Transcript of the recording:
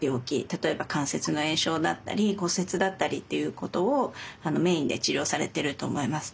例えば関節の炎症だったり骨折だったりっていうことをメインで治療されてると思います。